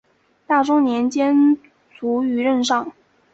大中年间卒于任上。